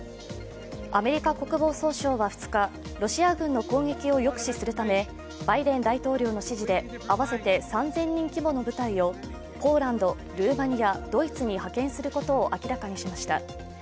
アメリカ国防総省は２日、ロシア軍の攻撃を抑止するためバイデン大統領の指示で、合わせて３０００人規模の部隊をポーランド、ルーマニア、ドイツに派遣することを明らかにしました。